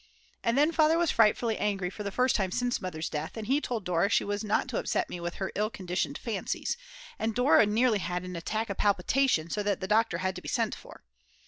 And then Father was frightfully angry for the first time since Mother's death, and he told Dora she was not to upset me with her ill conditioned fancies, and Dora nearly had an attack of palpitation so that the doctor had to be sent for.